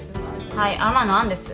はい天野杏です。